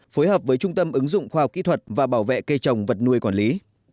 phối hợp với trung tâm ứng dụng khoa học kỹ thuật và bảo vệ cây trồng vật nuôi quản lý